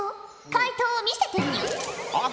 解答を見せてみよ。